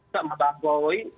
pak mbak pak woy